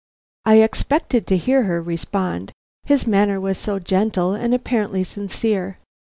I expected to hear her respond, his manner was so gentle and apparently sincere.